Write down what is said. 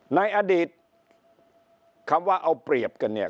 ในอดีตคำว่าเอาเปรียบกันเนี่ย